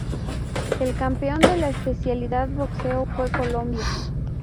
El campeón de la especialidad Boxeo fue Colombia.